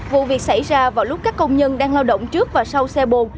vụ việc xảy ra vào lúc các công nhân đang lao động trước và sau xe bồ